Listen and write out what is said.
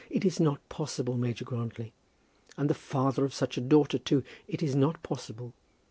It is not possible, Major Grantly. And the father of such a daughter, too! It is not possible.